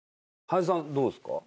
林さんどうですか？